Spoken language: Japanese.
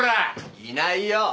いないよ！